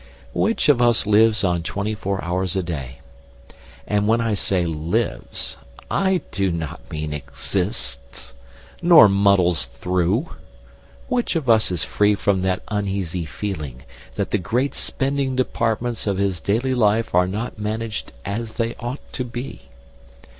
Which of us lives on twenty four hours a day? And when I say "lives," I do not mean exists, nor "muddles through." Which of us is free from that uneasy feeling that the "great spending departments" of his daily life are not managed as they ought to be?